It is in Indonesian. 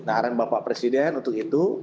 nah arahnya bapak presiden untuk itu